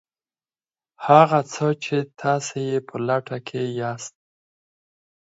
هغه څه چې تاسې یې په لټه کې یاست